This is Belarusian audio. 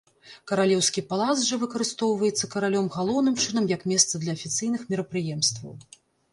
Каралеўскі палац жа выкарыстоўваецца каралём галоўным чынам як месца для афіцыйных мерапрыемстваў.